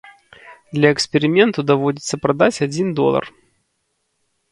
Для эксперыменту даводзіцца прадаць адзін долар.